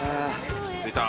着いた。